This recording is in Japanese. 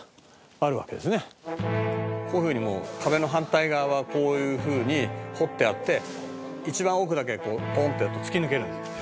「こういうふうに壁の反対側はこういうふうに掘ってあって一番奥だけポンッとやると突き抜けるんです」